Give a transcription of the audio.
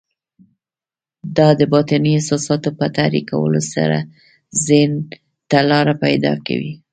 دا د باطني احساساتو په تحريکولو سره ذهن ته لاره پيدا کوي.